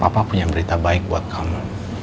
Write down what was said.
papa punya berita baik buat kamu